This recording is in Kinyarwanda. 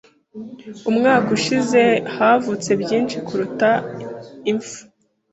Umwaka ushize, havutse byinshi kuruta impfu.